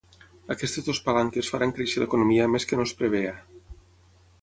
Aquestes dues palanques faran créixer l’economia més que no es preveia.